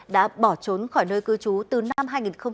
đã bỏ trốn khỏi nơi cư trú từ năm hai nghìn ba